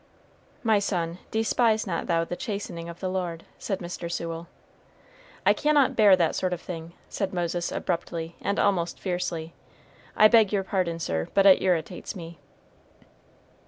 "'My son, despise not thou the chastening of the Lord,'" said Mr. Sewell. "I cannot bear that sort of thing," said Moses abruptly, and almost fiercely. "I beg your pardon, sir, but it irritates me."